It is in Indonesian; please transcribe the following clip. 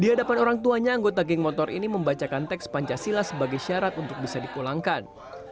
di hadapan orang tuanya anggota geng motor ini membacakan teks pancasila sebagai syarat untuk bisa dipulangkan